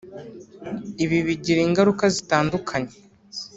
Ibi bigira ingaruka zitandukanye